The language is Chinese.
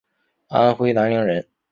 安徽南陵人。